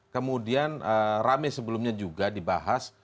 kemudian rame sebelumnya juga dibahas